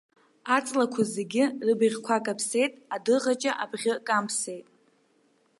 Аҵлақәа зегьы рыбӷьқәа каԥсеит, адыӷаҷа абӷьы камԥсеит.